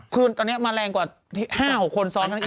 คือตอนนี้มาแรงกว่า๕๖คนซ้อน